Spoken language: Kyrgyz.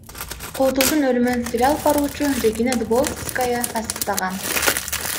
Куудулдун өлүмүн теле алып баруучу Регина Дубовицкая тастыктаган.